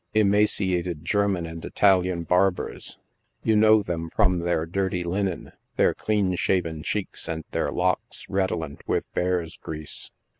Emaciated German and Italian barbers, you know them from their dirty linen, their clean shaven cheeks and their locks redolent with bear's grease.